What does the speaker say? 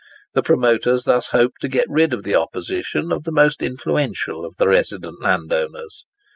The promoters thus hoped to get rid of the opposition of the most influential of the resident landowners.